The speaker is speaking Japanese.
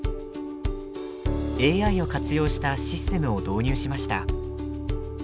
ＡＩを活用したシステムを導入しました。